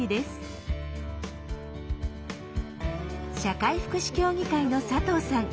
社会福祉協議会の佐藤さん。